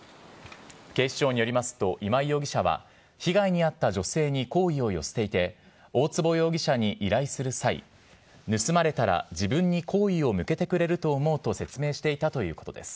警視庁によりますと、今井容疑者は、被害に遭った女性に好意を寄せていて、大坪容疑者に依頼する際、盗まれたら自分に好意を向けてくれると思うと説明していたということです。